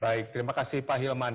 baik terima kasih pak hilman